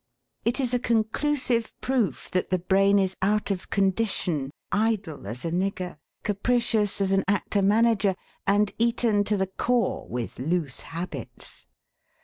It is a conclusive proof that the brain is out of condition, idle as a nigger, capricious as an actor manager, and eaten to the core with loose habits.